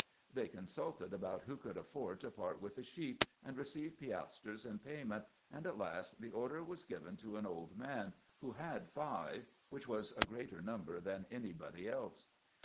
They consulted about who could afford to part with a sheep, and receive piastres in payment, and at last the order was given to an old man, who had five, which was a greater number than any body else.